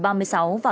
và các hội nghị